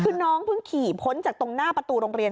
คือน้องเพิ่งขี่พ้นจากตรงหน้าประตูโรงเรียน